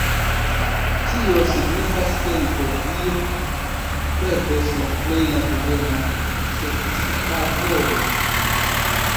Tio signifas, ke Litovio perdos la plej laboreman socitavolon.